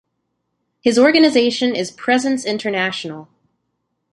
His organization is Presence International.